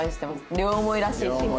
両思いらしい心配。